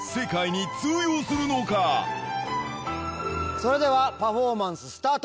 それではパフォーマンススタート。